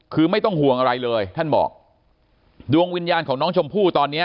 คือไม่ต้องห่วงอะไรเลยท่านบอกดวงวิญญาณของน้องชมพู่ตอนเนี้ย